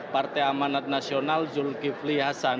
partai amanat nasional zulkifli hasan